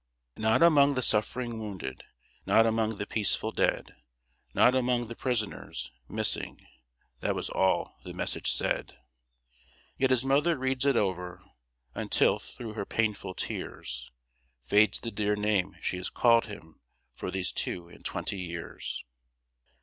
"Not among the suffering wounded; Not among the peaceful dead; Not among the prisoners. MISSING That was all the message said. "Yet his mother reads it over, Until, through her painful tears, Fades the dear name she has called him For these two and twenty years."